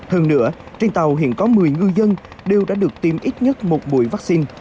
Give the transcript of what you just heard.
hơn nữa trên tàu hiện có một mươi ngư dân đều đã được tiêm ít nhất một buổi vaccine